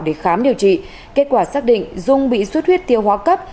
để khám điều trị kết quả xác định dung bị suất huyết tiêu hóa cấp